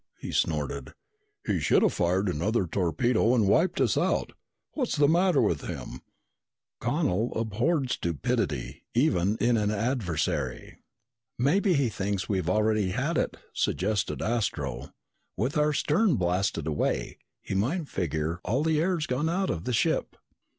he snorted. "He should've fired another torpedo and wiped us out. What's the matter with him?" Connel abhorred stupidity, even in an adversary. "Maybe he thinks we've already had it," suggested Astro. "With our stern blasted away, he might figure all the air's gone out of the ship."